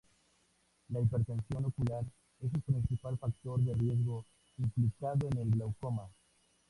La hipertensión ocular es el principal factor de riesgo implicado en el glaucoma.